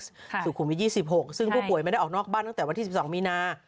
สุขุมวิท๒๖ซึ่งผู้ป่วยไม่ได้ออกนอกบ้านตั้งแต่วันที่๑๒มีนา